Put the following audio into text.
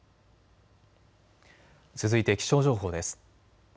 続いて気象情報です。